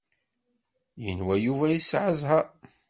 Yenwa Yuba yesɛa zzheṛ.